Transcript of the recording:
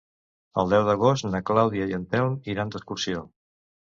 El deu d'agost na Clàudia i en Telm iran d'excursió.